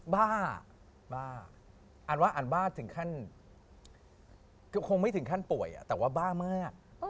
บ้าอ่านบ้าถึงขั้นคงไม่ถึงขั้นป่วยแต่ว่าบ้ามาก